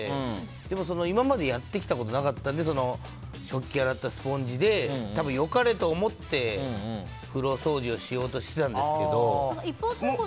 でも今までやってきたことがなかったので食器を洗ったスポンジで多分、良かれと思って風呂掃除をしようとしてたんですけど。